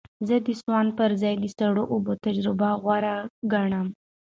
زه د سونا په ځای د سړو اوبو تجربه غوره ګڼم.